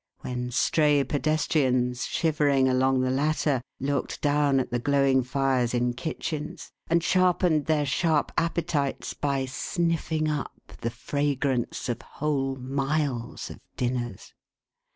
When stray pedestrians, shivering along the latter, looked down at the glowing fires in kitchens, and sharpened their sharp appetites by sniffing up the fragrance of whole miles of dinners.